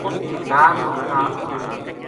اُت ٹھیکیدار لوک تھا اُنھ